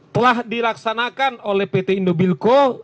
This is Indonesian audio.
telah dilaksanakan oleh pt indobilco